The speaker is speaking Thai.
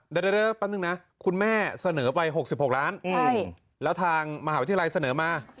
เดี๋ยวแป๊บนึงนะคุณแม่เสนอไป๖๖ล้านแล้วทางมหาวิทยาลัยเสนอมา